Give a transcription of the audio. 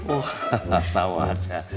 oh tau aja